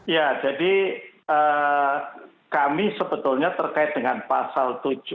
ya jadi kami sebetulnya terkait dengan pasal tujuh